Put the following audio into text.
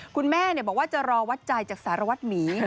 คุณแม่บอกว่าจะรอวัดใจจากสารวัตรหมี